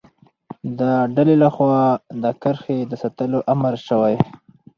د ډلې له خوا د کرښې د ساتلو امر شوی.